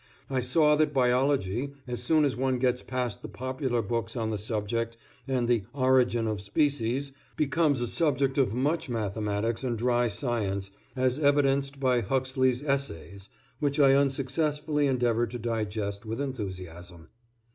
I saw that biology as soon as one gets past the popular books on the subject and the "Origin of Species" becomes a subject of much mathematics and dry science, as evidenced by Huxley's Essays, which I unsuccessfully endeavored to digest with enthusiasm.